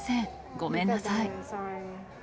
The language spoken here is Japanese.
ごめんなさい。